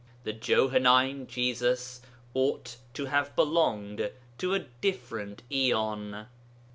The Johannine Jesus ought to have belonged to a different aeon.